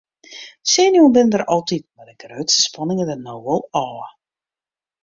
Senuwen binne der altyd mar de grutste spanning is der no wol ôf.